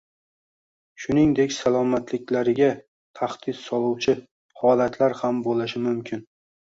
shuningdek salomatliklariga tahdid soluvchi holatlar ham bo‘lishi mumkin.